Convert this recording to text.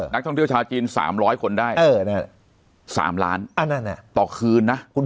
นักท่องเที่ยวชาวจีน๓๐๐คนได้๓ล้านต่อคืนนะ